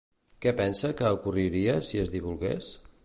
Què pensa que ocorreria si es divulgués?